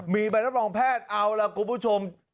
มีใบรับรองแพทย์เอาล่ะคุณผู้ชม